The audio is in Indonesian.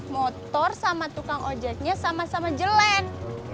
motor sama tukang ojeknya sama sama jelek